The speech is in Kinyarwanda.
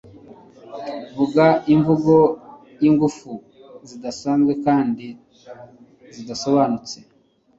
Vuga Imvugo yingufu zidasanzwe kandi zidasobanutse